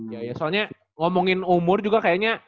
ya ya soalnya ngomongin umur juga kayaknya